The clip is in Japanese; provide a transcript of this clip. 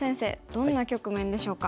どんな局面でしょうか。